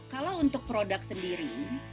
kalau untuk produk sendiri